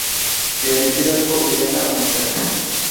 Byari byiza ko ujyana umutaka.